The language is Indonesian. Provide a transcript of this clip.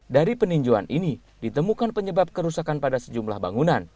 dari peninjauan ini ditemukan penyebab kerusakan pada sejumlah bangunan